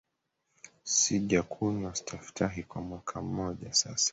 Sijakunywa staftahi kwa mwaka mmoja sasa